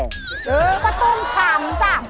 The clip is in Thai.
เออก็ต้องถามจ้ะ